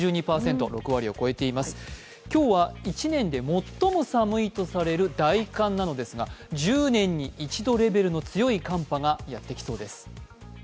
今日は、１年で最も寒いとされる大寒なのですが、１０年に一度レベルの強い寒波がやってきそうです。